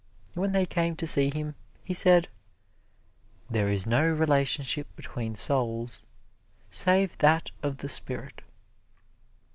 When they came to see him, he said, "There is no relationship between souls save that of the spirit."